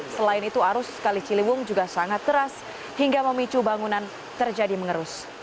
selain itu arus kali ciliwung juga sangat keras hingga memicu bangunan terjadi mengerus